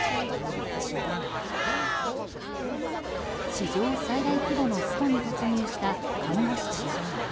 史上最大規模のストに突入した看護師たち。